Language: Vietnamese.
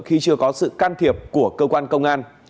khi chưa có sự can thiệp của cơ quan công an